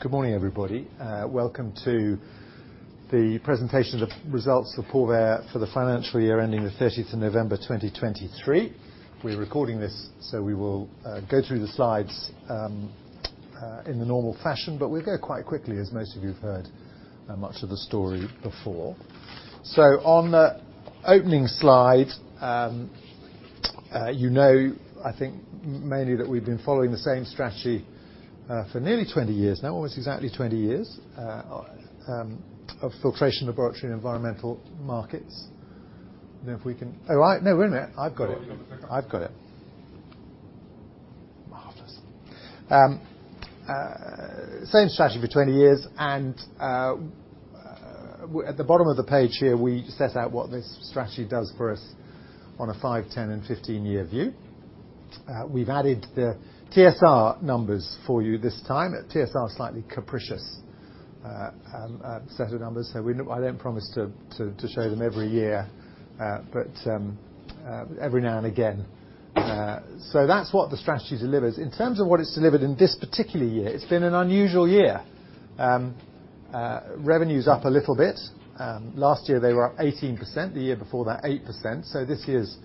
Good morning, everybody. Welcome to the presentation of the results of Porvair for the financial year ending the 30th of November, 2023. We're recording this, so we will go through the slides in the normal fashion, but we'll go quite quickly, as most of you've heard much of the story before. So on the opening slide, you know, I think mainly that we've been following the same strategy for nearly 20 years now, almost exactly 20 years of filtration, laboratory, and environmental markets. And if we can-- Oh, right. No, wait a minute. I've got it. I've got it. Marvelous. Same strategy for 20 years, and at the bottom of the page here, we set out what this strategy does for us on a five, 10, and 15-year view. We've added the TSR numbers for you this time. TSR is a slightly capricious set of numbers, so I don't promise to show them every year, but every now and again. So that's what the strategy delivers. In terms of what it's delivered in this particular year, it's been an unusual year. Revenue's up a little bit. Last year they were up 18%, the year before that, 8%, so this year's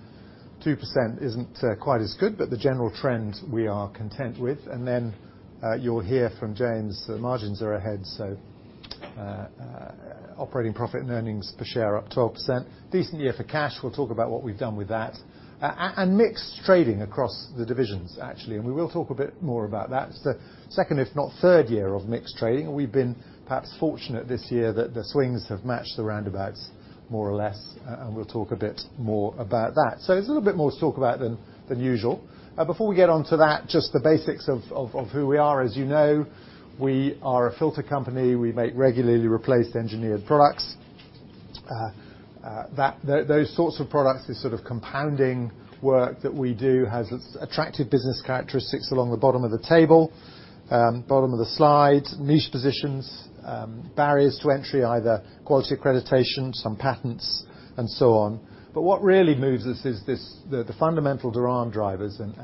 2% isn't quite as good, but the general trend we are content with. And then you'll hear from James, the margins are ahead, so operating profit and earnings per share up 12%. Decent year for cash. We'll talk about what we've done with that. And mixed trading across the divisions, actually, and we will talk a bit more about that. It's the second, if not third, year of mixed trading. We've been perhaps fortunate this year that the swings have matched the roundabouts more or less, and we'll talk a bit more about that. So there's a little bit more to talk about than usual. Before we get on to that, just the basics of who we are. As you know, we are a filter company. We make regularly replaced engineered products. Those sorts of products, the sort of compounding work that we do, has attractive business characteristics along the bottom of the table, bottom of the slide, niche positions, barriers to entry, either quality accreditation, some patents, and so on. But what really moves us is this, the fundamental demand drivers and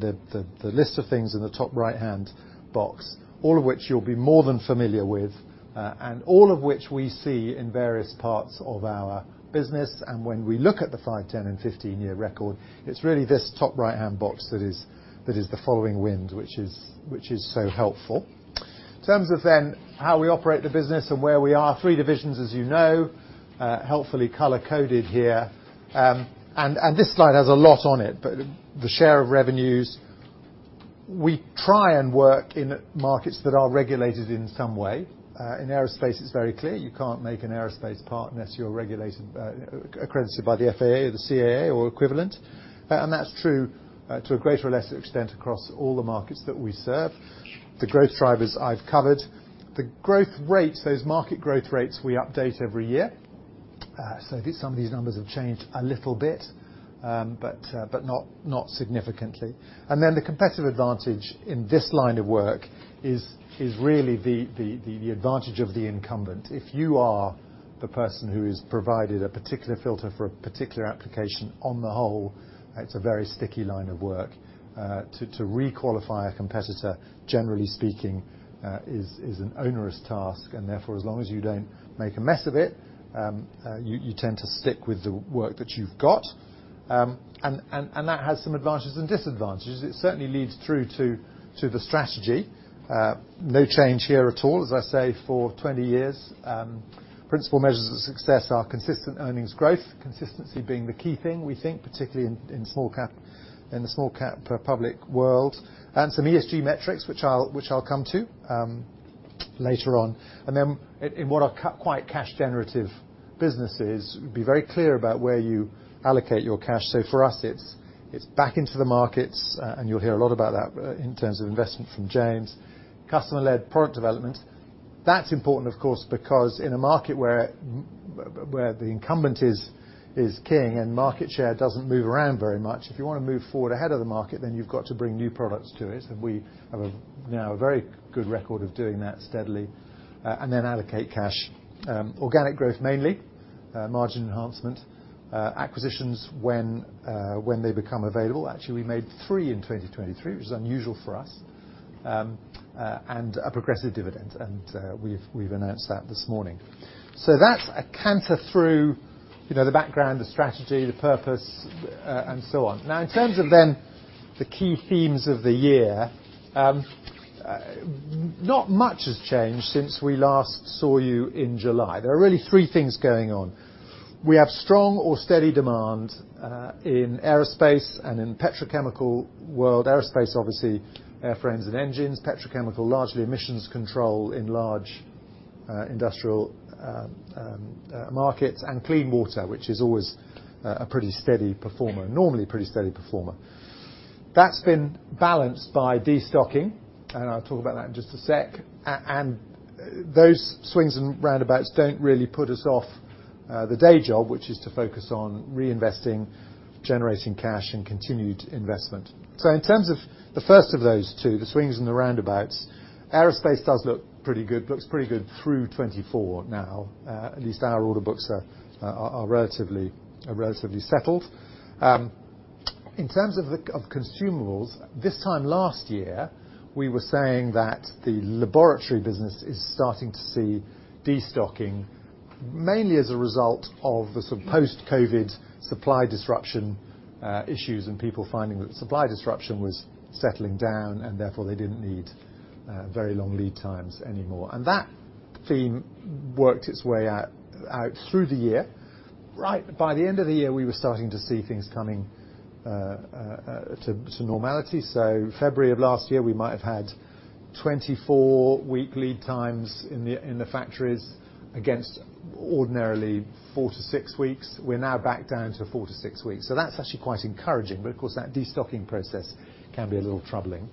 the list of things in the top right-hand box, all of which you'll be more than familiar with, and all of which we see in various parts of our business. When we look at the five, 10, and 15-year record, it's really this top right-hand box that is the tailwind, which is so helpful. In terms of then how we operate the business and where we are, three divisions, as you know, helpfully color-coded here. This slide has a lot on it, but the share of revenues, we try and work in markets that are regulated in some way. In aerospace, it's very clear. You can't make an aerospace part unless you're regulated, accredited by the FAA or the CAA or equivalent. That's true, to a greater or lesser extent, across all the markets that we serve. The growth drivers, I've covered. The growth rates, those market growth rates, we update every year. So these, some of these numbers have changed a little bit, but not significantly. Then the competitive advantage in this line of work is really the advantage of the incumbent. If you are the person who has provided a particular filter for a particular application, on the whole, it's a very sticky line of work. To requalify a competitor, generally speaking, is an onerous task, and therefore, as long as you don't make a mess of it, you tend to stick with the work that you've got. And that has some advantages and disadvantages. It certainly leads through to the strategy. No change here at all. As I say, for 20 years, principal measures of success are consistent earnings growth, consistency being the key thing, we think, particularly in small cap, in the small cap public world, and some ESG metrics, which I'll come to later on. And then, in what are quite cash generative businesses, be very clear about where you allocate your cash. So for us, it's back into the markets, and you'll hear a lot about that in terms of investment from James. Customer-led product development. That's important, of course, because in a market where the incumbent is king and market share doesn't move around very much, if you wanna move forward ahead of the market, then you've got to bring new products to it, and we have now a very good record of doing that steadily. And then allocate cash. Organic growth, mainly, margin enhancement, acquisitions when they become available. Actually, we made three in 2023, which is unusual for us. And a progressive dividend, and we've announced that this morning. So that's a canter through, you know, the background, the strategy, the purpose, and so on. Now, in terms of then the key themes of the year, not much has changed since we last saw you in July. There are really three things going on. We have strong or steady demand in aerospace and in petrochemical world. Aerospace, obviously, airframes and engines, petrochemical, largely emissions control in large industrial markets, and clean water, which is always a pretty steady performer, normally pretty steady performer. That's been balanced by destocking, and I'll talk about that in just a sec. And those swings and roundabouts don't really put us off the day job, which is to focus on reinvesting, generating cash, and continued investment. So in terms of the first of those two, the swings and the roundabouts, aerospace does look pretty good, looks pretty good through 2024 now. At least our order books are relatively settled. In terms of consumables, this time last year, we were saying that the laboratory business is starting to see destocking, mainly as a result of the sort of post-COVID supply disruption issues and people finding that the supply disruption was settling down, and therefore, they didn't need very long lead times anymore. And that theme worked its way out through the year. Right by the end of the year, we were starting to see things coming to normality. So February of last year, we might have had 24-week lead times in the factories against ordinarily four to six weeks. We're now back down to four to six weeks, so that's actually quite encouraging. But of course, that destocking process can be a little troubling.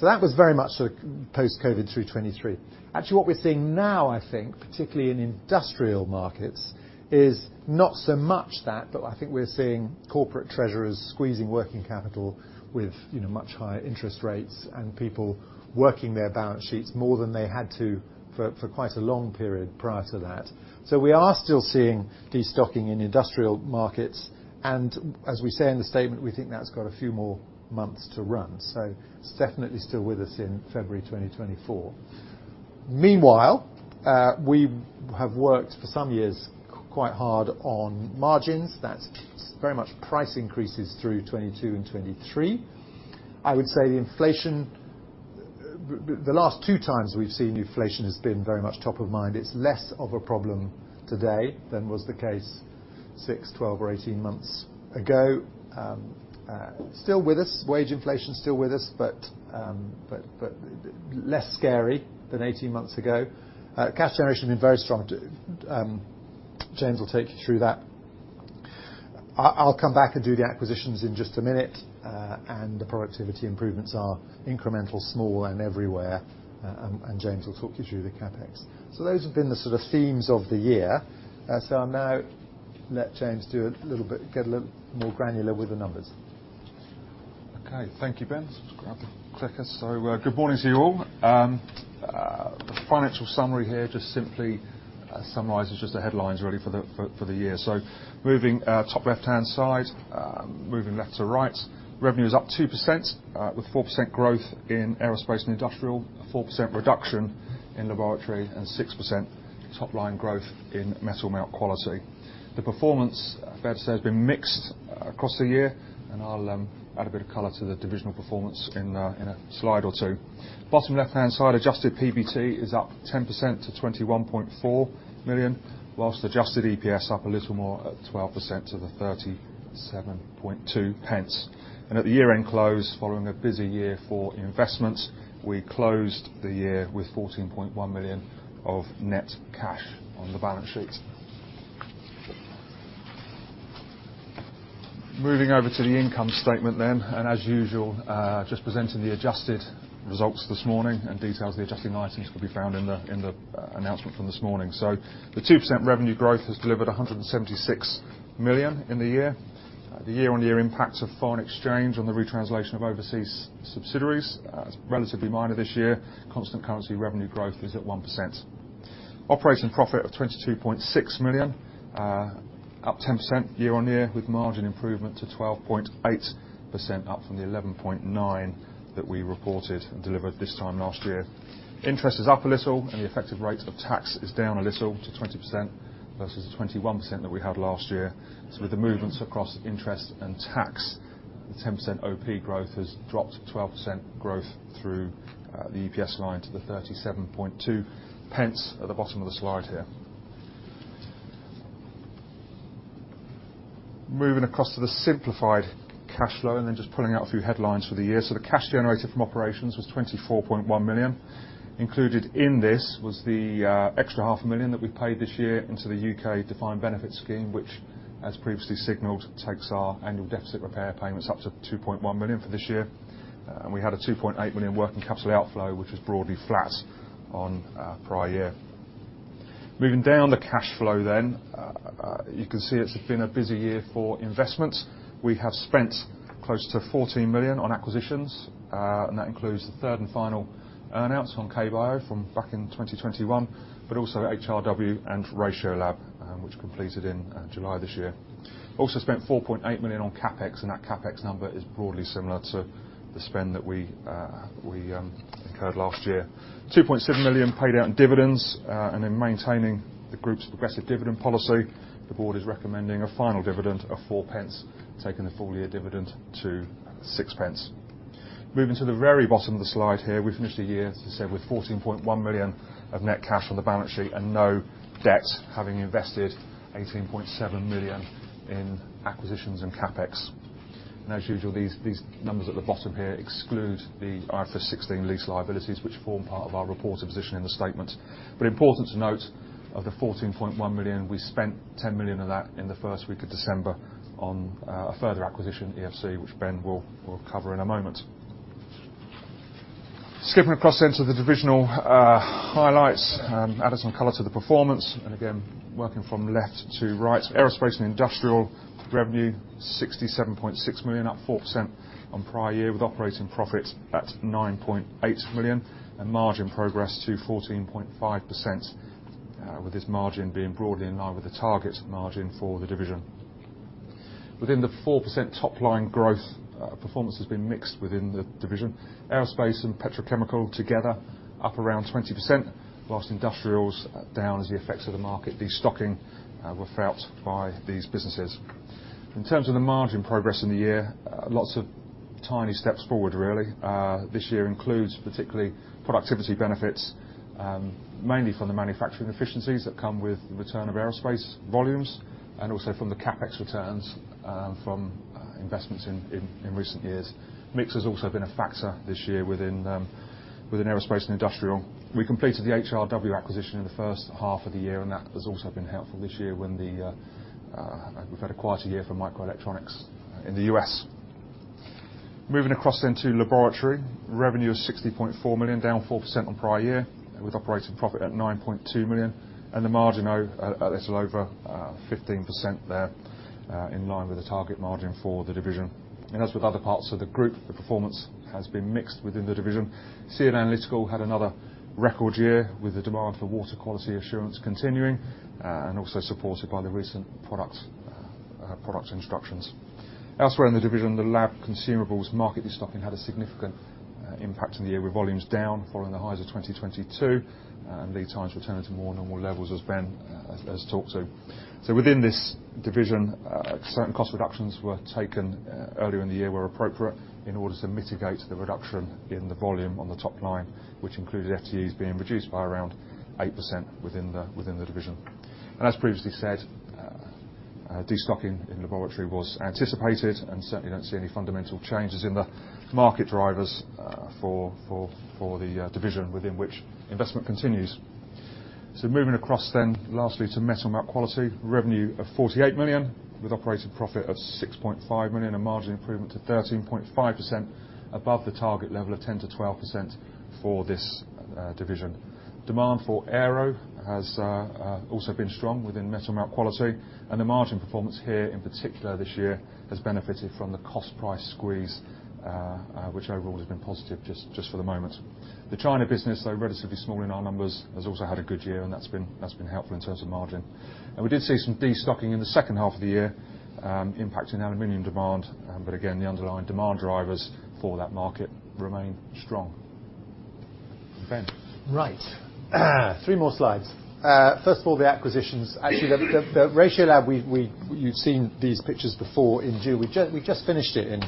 So that was very much sort of post-COVID through 2023. Actually, what we're seeing now, I think, particularly in industrial markets, is not so much that, but I think we're seeing corporate treasurers squeezing working capital with, you know, much higher interest rates, and people working their balance sheets more than they had to for, for quite a long period prior to that. So we are still seeing destocking in industrial markets, and as we say in the statement, we think that's got a few more months to run. So it's definitely still with us in February 2024. Meanwhile, we have worked for some years, quite hard on margins. That's very much price increases through 2022 and 2023. I would say the inflation, the last two times we've seen inflation has been very much top of mind. It's less of a problem today than was the case 6, 12, or 18 months ago. Still with us, wage inflation is still with us, but less scary than 18 months ago. Cash generation has been very strong. James will take you through that. I'll come back and do the acquisitions in just a minute, and the productivity improvements are incremental, small, and everywhere. James will talk you through the CapEx. So those have been the sort of themes of the year. So I'll now let James do a little bit, get a little more granular with the numbers. Okay. Thank you, Ben. Just grab the clicker. So, good morning to you all. The financial summary here just simply summarizes just the headlines, really, for the year. Moving top left-hand side, moving left to right. Revenue is up 2%, with 4% growth in aerospace and industrial, a 4% reduction in laboratory, and 6% top line growth in Metal Melt Quality. The performance, fair to say, has been mixed across the year, and I'll add a bit of color to the divisional performance in a slide or two. Bottom left-hand side, adjusted PBT is up 10% to 21.4 million, while adjusted EPS up a little more at 12% to 0.372. And at the year-end close, following a busy year for investment, we closed the year with 14.1 million of net cash on the balance sheet. Moving over to the income statement then, and as usual, just presenting the adjusted results this morning, and details of the adjusting items could be found in the announcement from this morning. So the 2% revenue growth has delivered 176 million in the year. The year-on-year impact of foreign exchange on the retranslation of overseas subsidiaries is relatively minor this year. Constant currency revenue growth is at 1%. Operating profit of 22.6 million, up 10% year-on-year, with margin improvement to 12.8%, up from the 11.9% that we reported and delivered this time last year. Interest is up a little, and the effective rate of tax is down a little to 20% versus the 21% that we had last year. So with the movements across interest and tax, the 10% OP growth has dropped to 12% growth through the EPS line to the 0.372 at the bottom of the slide here. Moving across to the simplified cash flow, and then just pulling out a few headlines for the year. So the cash generated from operations was 24.1 million. Included in this was the extra 0.5 million that we paid this year into the U.K. defined benefit scheme, which, as previously signaled, takes our annual deficit repair payments up to 2.1 million for this year. We had a 2.8 million working capital outflow, which was broadly flat on prior year. Moving down the cash flow then, you can see it's been a busy year for investment. We have spent close to 14 million on acquisitions, and that includes the third and final earn-out on KBio from back in 2021, but also HRW and Ratiolab, which completed in July this year. Also spent 4.8 million on CapEx, and that CapEx number is broadly similar to the spend that we incurred last year. 2.7 million paid out in dividends, and in maintaining the group's progressive dividend policy, the board is recommending a final dividend of 0.04, taking the full year dividend to 0.06. Moving to the very bottom of the slide here, we finished the year, as I said, with 14.1 million of net cash on the balance sheet and no debt, having invested 18.7 million in acquisitions and CapEx. As usual, these, these numbers at the bottom here exclude the IFRS 16 lease liabilities, which form part of our reported position in the statement. Important to note, of the 14.1 million, we spent 10 million of that in the first week of December on a further acquisition, EFC, which Ben will, will cover in a moment. Skipping across then to the divisional highlights, add some color to the performance, and again, working from left to right. Aerospace and Industrial revenue, 67.6 million, up 4% on prior year, with operating profit at 9.8 million and margin progress to 14.5%.... with this margin being broadly in line with the target margin for the division. Within the 4% top line growth, performance has been mixed within the division. Aerospace and petrochemical together, up around 20%, while industrials down as the effects of the market, destocking, were felt by these businesses. In terms of the margin progress in the year, lots of tiny steps forward, really. This year includes particularly productivity benefits, mainly from the manufacturing efficiencies that come with the return of aerospace volumes, and also from the CapEx returns, from investments in recent years. Mix has also been a factor this year within aerospace and industrial. We completed the HRW acquisition in the first half of the year, and that has also been helpful this year when we've had a quieter year for microelectronics in the U.S. Moving across then to laboratory. Revenue of 60.4 million, down 4% on prior year, with operating profit at 9.2 million, and the margin at a little over 15% there, in line with the target margin for the division. As with other parts of the group, the performance has been mixed within the division. SEAL Analytical had another record year with the demand for water quality assurance continuing, and also supported by the recent product introductions. Elsewhere in the division, the lab consumables market destocking had a significant impact on the year, with volumes down, following the highs of 2022, and lead times returning to more normal levels, as Ben has talked to. So within this division, certain cost reductions were taken earlier in the year, where appropriate, in order to mitigate the reduction in the volume on the top line, which included FTEs being reduced by around 8% within the division. And as previously said, destocking in laboratory was anticipated, and certainly don't see any fundamental changes in the market drivers for the division within which investment continues. So moving across then, lastly, to Metal Melt Quality. Revenue of 48 million, with operating profit of 6.5 million, a margin improvement to 13.5%, above the target level of 10%-12% for this division. Demand for aero has also been strong within Metal Melt Quality, and the margin performance here, in particular this year, has benefited from the cost price squeeze, which overall has been positive, just for the moment. The China business, though relatively small in our numbers, has also had a good year, and that's been helpful in terms of margin. And we did see some destocking in the second half of the year, impacting aluminum demand, but again, the underlying demand drivers for that market remain strong. Ben? Right. Three more slides. First of all, the acquisitions. Actually, the Ratiolab, we've seen these pictures before in June. We just finished it in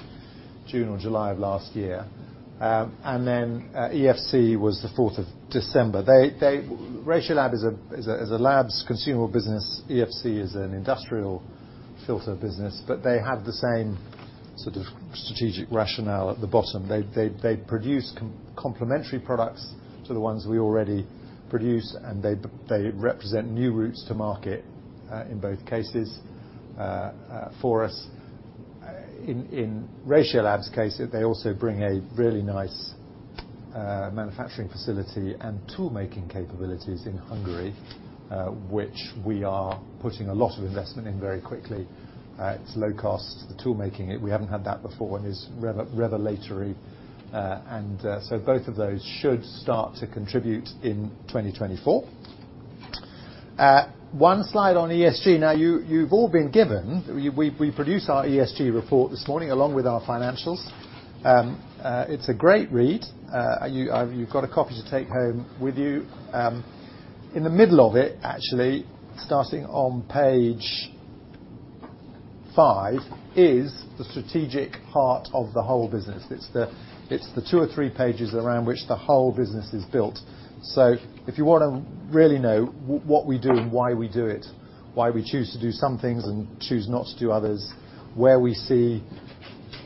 June or July of last year. And then, EFC was the fourth of December. Ratiolab is a lab consumables business. EFC is an industrial filter business, but they have the same sort of strategic rationale at the bottom. They produce complementary products to the ones we already produce, and they represent new routes to market, in both cases, for us. In Ratiolab's case, they also bring a really nice manufacturing facility and tool making capabilities in Hungary, which we are putting a lot of investment in very quickly. It's low cost, the tool making. We haven't had that before, and it's revelatory. And so both of those should start to contribute in 2024. One slide on ESG. Now, you've all been given... We produced our ESG report this morning, along with our financials. It's a great read. You've got a copy to take home with you. In the middle of it, actually, starting on page five, is the strategic heart of the whole business. It's the two or three pages around which the whole business is built. So if you want to really know what we do and why we do it, why we choose to do some things and choose not to do others, where we see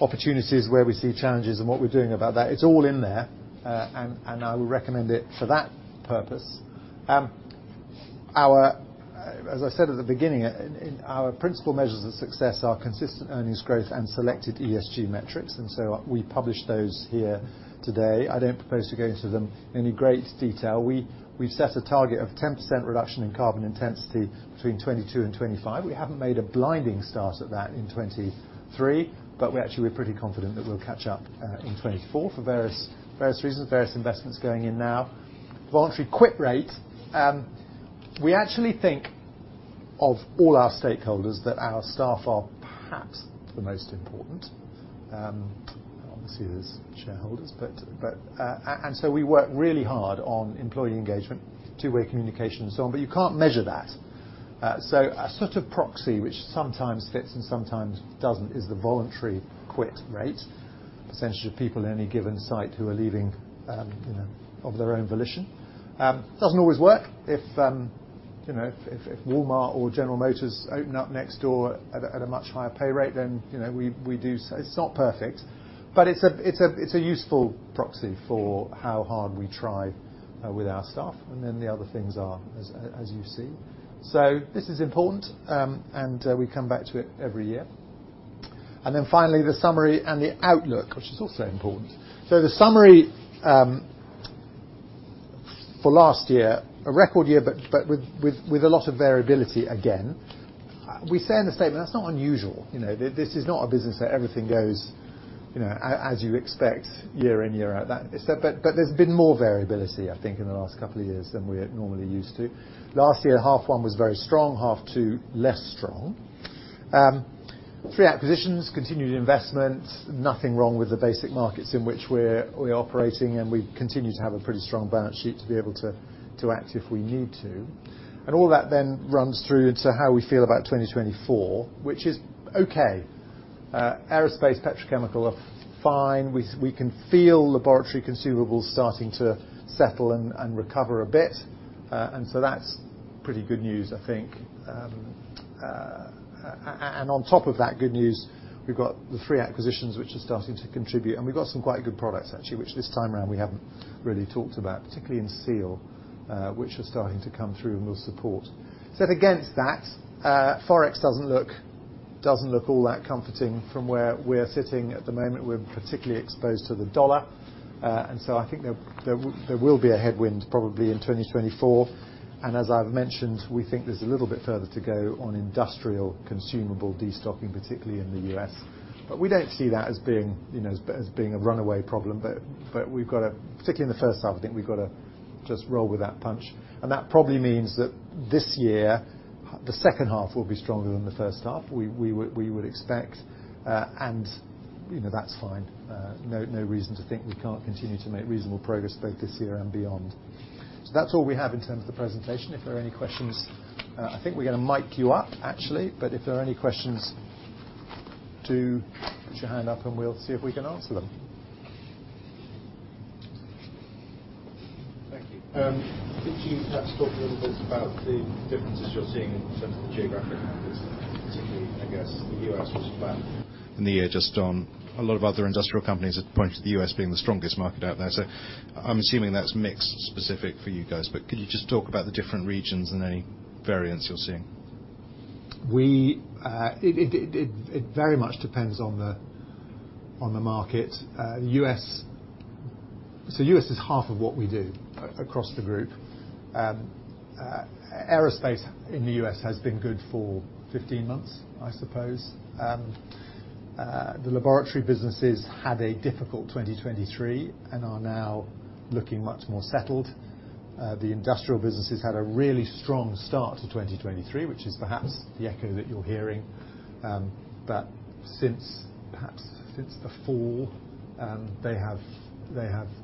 opportunities, where we see challenges, and what we're doing about that, it's all in there, and I would recommend it for that purpose. As I said at the beginning, in our principal measures of success are consistent earnings growth and selected ESG metrics, and so we published those here today. I don't propose to go into them in any great detail. We've set a target of 10% reduction in carbon intensity between 2022 and 2025. We haven't made a blinding start at that in 2023, but we're actually pretty confident that we'll catch up in 2024 for various reasons, various investments going in now. Voluntary quit rate. We actually think of all our stakeholders, that our staff are perhaps the most important. Obviously, there's shareholders, but, but... So we work really hard on employee engagement, two-way communication and so on, but you can't measure that. So a sort of proxy, which sometimes fits and sometimes doesn't, is the voluntary quit rate, percentage of people in any given site who are leaving, you know, of their own volition. Doesn't always work. If, you know, if Walmart or General Motors open up next door at a much higher pay rate, then, you know, we do... It's not perfect, but it's a useful proxy for how hard we try with our staff. Then the other things are, as you see. So this is important, we come back to it every year. Then finally, the summary and the outlook, which is also important. So the summary for last year, a record year, but with a lot of variability again. We say in the statement, that's not unusual. You know, this is not a business that everything goes, you know, as you expect year in, year out. But there's been more variability, I think, in the last couple of years than we're normally used to. Last year, half one was very strong, half two, less strong. Three acquisitions, continued investment, nothing wrong with the basic markets in which we're operating, and we continue to have a pretty strong balance sheet to be able to act if we need to. All that then runs through into how we feel about 2024, which is okay. Aerospace, petrochemical are fine. We can feel laboratory consumables starting to settle and recover a bit, and so that's pretty good news, I think. On top of that good news, we've got the three acquisitions, which are starting to contribute, and we've got some quite good products, actually, which this time around we haven't really talked about, particularly in SEAL, which are starting to come through and will support. Set against that, forex doesn't look all that comforting from where we're sitting at the moment. We're particularly exposed to the dollar, and so I think there will be a headwind probably in 2024. As I've mentioned, we think there's a little bit further to go on industrial consumable destocking, particularly in the U.S. But we don't see that as being, you know, as being a runaway problem, but we've got to, particularly in the first half, I think we've got to just roll with that punch. That probably means that this year, the second half will be stronger than the first half. We would expect, and, you know, that's fine. No reason to think we can't continue to make reasonable progress both this year and beyond. So that's all we have in terms of the presentation. If there are any questions, I think we're gonna mic you up, actually, but if there are any questions, do put your hand up, and we'll see if we can answer them. Thank you. Could you perhaps talk a little bit about the differences you're seeing in terms of the geographic markets, particularly, I guess, the U.S. was flat in the year just on. A lot of other industrial companies have pointed to the U.S. being the strongest market out there, so I'm assuming that's mixed specific for you guys. But could you just talk about the different regions and any variants you're seeing? It very much depends on the market. U.S., so U.S. is half of what we do across the group. Aerospace in the U.S. has been good for 15 months, I suppose. The laboratory businesses had a difficult 2023 and are now looking much more settled. The industrial businesses had a really strong start to 2023, which is perhaps the echo that you're hearing. But since, perhaps since the fall, they have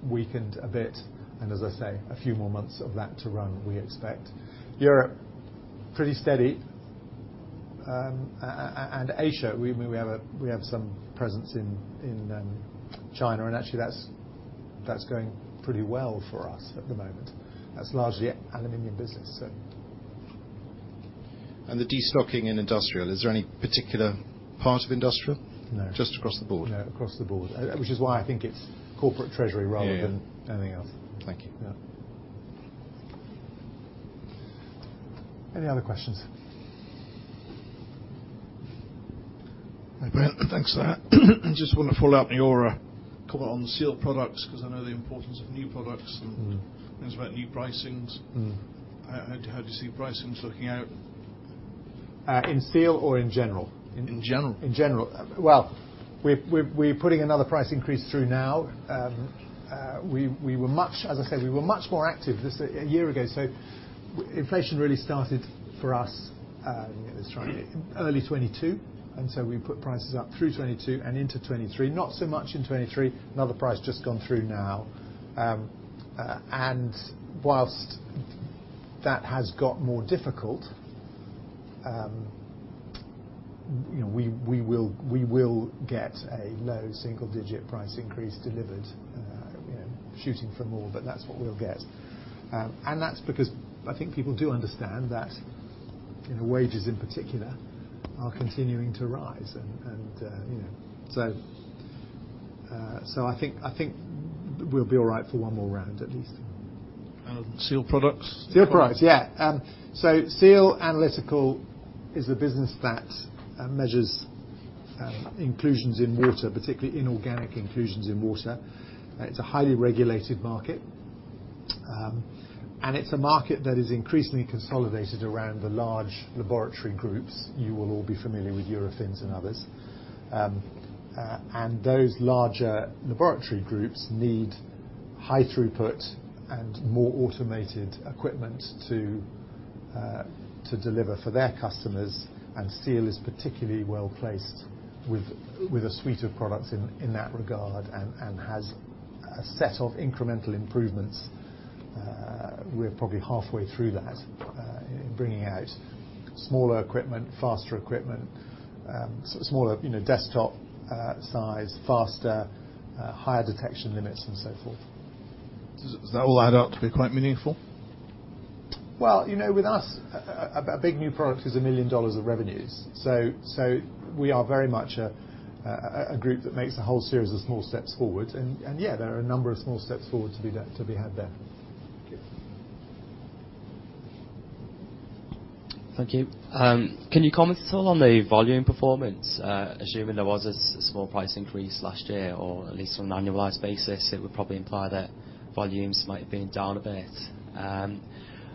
weakened a bit, and as I say, a few more months of that to run, we expect. Europe, pretty steady. And Asia, we have some presence in China, and actually, that's going pretty well for us at the moment. That's largely an aluminum business, so. The destocking in industrial, is there any particular part of industrial? No. Just across the board? No, across the board, which is why I think it's corporate treasury rather than- Yeah. -anything else. Thank you. Yeah. Any other questions? Hi, Ben. Thanks for that. Just want to follow up on your comment on SEAL products, because I know the importance of new products- Mm-hmm. -and things about new pricings. Mm-hmm. How do you see pricings looking out? In SEAL or in general? In general. In general. Well, we're putting another price increase through now. As I said, we were much more active a year ago. So inflation really started for us, let's say early 2022, and so we put prices up through 2022 and into 2023. Not so much in 2023. Another price just gone through now. And while that has got more difficult, you know, we will get a low single-digit price increase delivered, you know, shooting for more, but that's what we'll get. And that's because I think people do understand that, you know, wages in particular are continuing to rise, and you know, so I think we'll be all right for one more round, at least. SEAL products? SEAL products, yeah. So SEAL Analytical is a business that measures inclusions in water, particularly inorganic inclusions in water. It's a highly regulated market, and it's a market that is increasingly consolidated around the large laboratory groups. You will all be familiar with Eurofins and others. And those larger laboratory groups need high throughput and more automated equipment to deliver for their customers, and SEAL is particularly well-placed with a suite of products in that regard, and has a set of incremental improvements. We're probably halfway through that in bringing out smaller equipment, faster equipment, smaller, you know, desktop size, faster higher detection limits, and so forth. Does that all add up to be quite meaningful? Well, you know, with us, a big new product is $1 million of revenues. So, we are very much a group that makes a whole series of small steps forward, and yeah, there are a number of small steps forward to be done, to be had there. Thank you. Thank you. Can you comment at all on the volume performance? Assuming there was a small price increase last year, or at least on an annualized basis, it would probably imply that volumes might have been down a bit.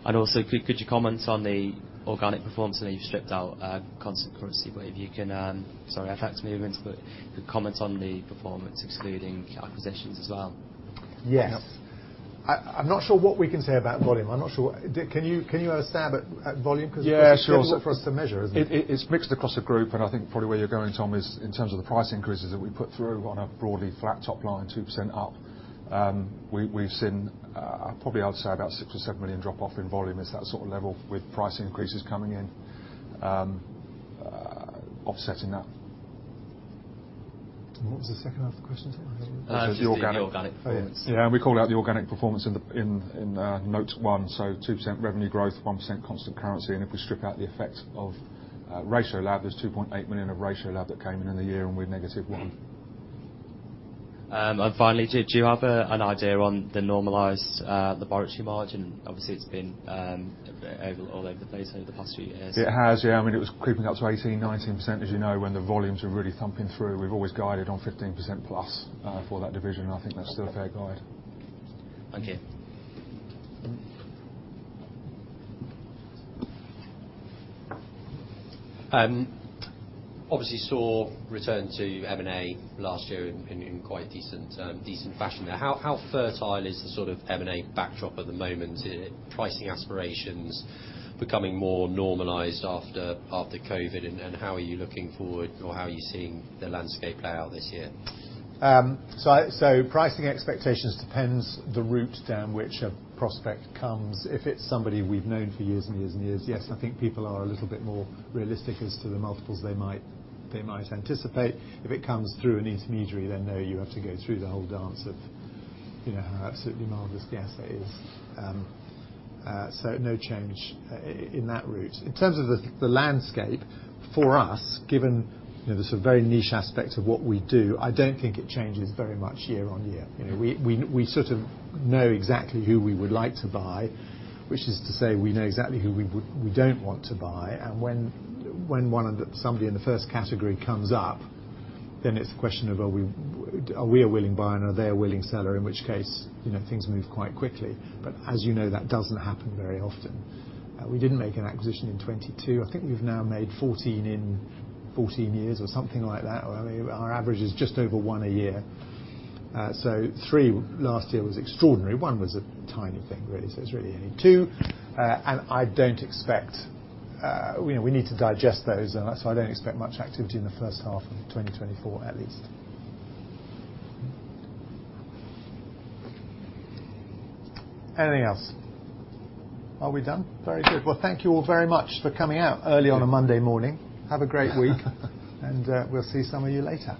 Also, could you comment on the organic performance that you've stripped out, constant currency, where if you can, sorry, FX movements, but could comment on the performance excluding acquisitions as well? Yes. Yep. I'm not sure what we can say about volume. I'm not sure. Can you have a stab at volume? Yeah, sure. Because it's difficult for us to measure, isn't it? It's mixed across the group, and I think probably where you're going, Tom, is in terms of the price increases that we put through on a broadly flat top line, 2% up. We've seen probably, I'd say about 6 million or 7 million drop off in volume, it's that sort of level, with price increases coming in, offsetting that. What was the second half of the question? Just the organic performance. Organic. Yeah, we called out the organic performance in the note one, so 2% revenue growth, 1% constant currency. And if we strip out the effect of Ratiolab, there's 2.8 million of Ratiolab that came in in the year, and we're negative 1%. And finally, do you have an idea on the normalized laboratory margin? Obviously, it's been all over the place over the past few years. It has, yeah. I mean, it was creeping up to 18%-19%, as you know, when the volumes were really thumping through. We've always guided on 15% plus for that division, and I think that's still a fair guide. Thank you. Mm-hmm. Obviously saw return to M&A last year in quite decent fashion. Now, how fertile is the sort of M&A backdrop at the moment? Is pricing aspirations becoming more normalized after COVID? And how are you looking forward, or how are you seeing the landscape play out this year? So pricing expectations depends the route down which a prospect comes. If it's somebody we've known for years and years and years, yes, I think people are a little bit more realistic as to the multiples they might, they might anticipate. If it comes through an intermediary, then, no, you have to go through the whole dance of, you know, how absolutely marvelous the asset is. So no change in that route. In terms of the landscape, for us, given, you know, the sort of very niche aspect of what we do, I don't think it changes very much year on year. You know, we sort of know exactly who we would like to buy, which is to say, we know exactly who we would-- we don't want to buy. When one of the somebody in the first category comes up, then it's a question of, are we a willing buyer, and are they a willing seller, in which case, you know, things move quite quickly. But as you know, that doesn't happen very often. We didn't make an acquisition in 2022. I think we've now made 14 in 14 years, or something like that, where our average is just over one a year. So three last year was extraordinary. One was a tiny thing, really, so it's really only two. And I don't expect... You know, we need to digest those, and so I don't expect much activity in the first half of 2024, at least. Anything else? Are we done? Very good. Well, thank you all very much for coming out early on a Monday morning. Have a great week. We'll see some of you later.